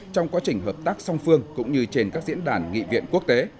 trong quá trình hợp tác song phương cũng như trên các diễn đàn nghị viện quốc tế